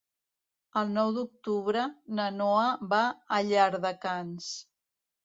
El nou d'octubre na Noa va a Llardecans.